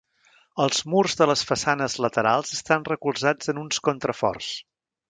Els murs de les façanes laterals estan recolzats en uns contraforts.